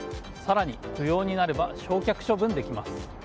更に、不要になれば焼却処分できます。